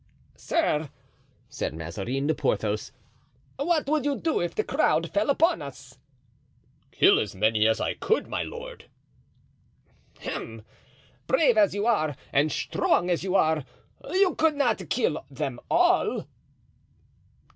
"Sir," said Mazarin to Porthos, "what would you do if the crowd fell upon us?" "Kill as many as I could, my lord." "Hem! brave as you are and strong as you are, you could not kill them all."